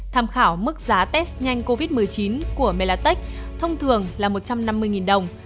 tham khảo mức giá test nhanh covid một mươi chín của melatech thông thường là một trăm năm mươi đồng